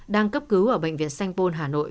đang cấp cứu ở bệnh viện sanh pôn hà nội